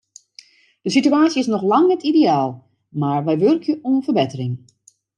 De situaasje is noch lang net ideaal, mar wy wurkje oan ferbettering.